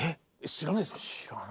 知らないですか？